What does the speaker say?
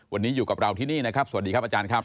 วันนี้อยู่กับเราที่นี่นะครับสวัสดีครับอาจารย์ครับ